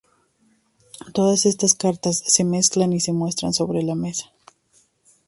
Todas estas cartas se mezclan y se muestran sobre la mesa.